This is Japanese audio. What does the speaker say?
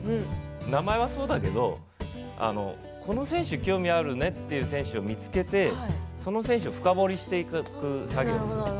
名前はそうだけれどこの選手興味あるねという選手を見つけてその選手を深掘りしていく作業をしているんです。